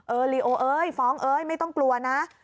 ลีโอเอ้ยฟ้องเอ้ยไม่ต้องกลัวนะ